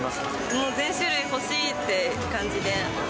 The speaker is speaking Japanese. もう全種類欲しいって感じで。